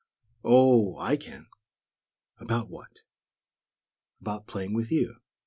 "Ooo o! I can!" "About what?" "About playing with you."